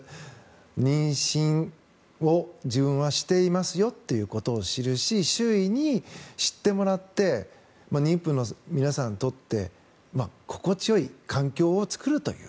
妊娠を自分はしていますよということを示し周囲に知ってもらって妊婦の皆さんにとって心地よい環境を作るという。